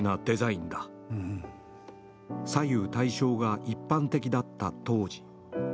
左右対称が一般的だった当時。